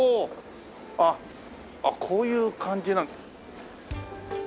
あっこういう感じ。